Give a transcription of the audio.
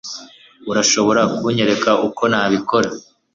Urashobora kunyereka uko nabikora